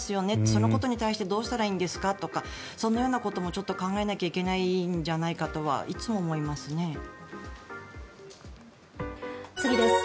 そのことに対してどうしたらいいんですかとかそのようなこともちょっと考えないといけないんじゃないかとはいつも思いますね。